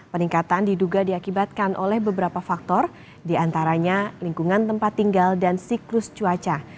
peningkatan diduga diakibatkan oleh beberapa faktor diantaranya lingkungan tempat tinggal dan siklus cuaca